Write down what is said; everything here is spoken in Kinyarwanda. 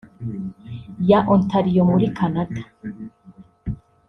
ya Ontario muri Canada